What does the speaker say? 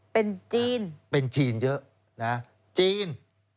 เป็นจีนเป็นจีนเยอะนะจีน